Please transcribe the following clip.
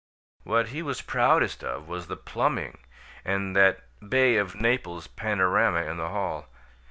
What he was proudest of was the plumbing and that Bay of Naples panorama in the hall.